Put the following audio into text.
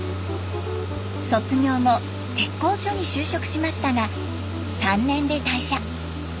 卒業後鉄工所に就職しましたが３年で退社。